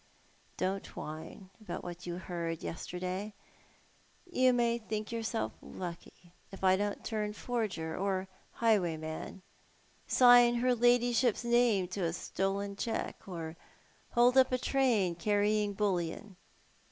Don't whine about what you heard yesterday. You may think yourself lucky if I don't turn forger or highwayman, sign her ladyship's name to a stolen cheque, or hold up a train carrying bullion.